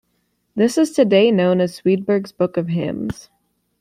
This is today known as Swedberg's Book of Hymns.